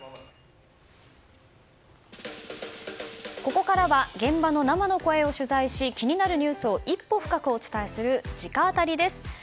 ここからは現場の生の声を取材し気になるニュースを一歩深くお伝えする直アタリです。